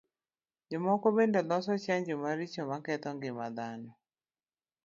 Jomoko bende loso chanjo maricho maketho ngima dhano.